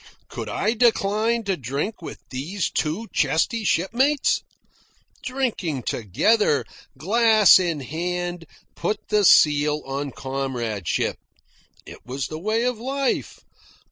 Could I decline to drink with these two chesty shipmates? Drinking together, glass in hand, put the seal on comradeship. It was the way of life.